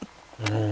うん。